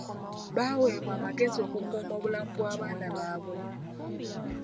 Baaweebwa amagezi okukuuma obulamu bw'abaana baabwe.